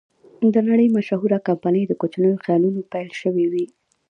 د نړۍ مشهوره کمپنۍ د کوچنیو خیالونو نه پیل شوې وې.